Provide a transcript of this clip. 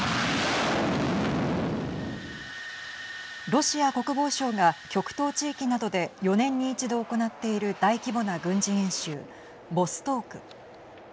ロシア国防省が極東地域などで４年に１度行っている大規模な軍事演習ボストーク。